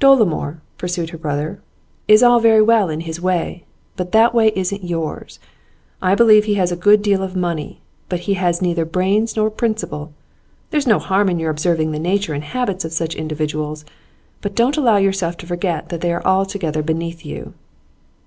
'Dolomore,' pursued her brother, 'is all very well in his way, but that way isn't yours. I believe he has a good deal of money, but he has neither brains nor principle. There's no harm in your observing the nature and habits of such individuals, but don't allow yourself to forget that they are altogether beneath you.